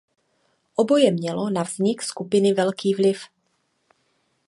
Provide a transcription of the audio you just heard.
Oboje mělo na vznik skupiny velký vliv.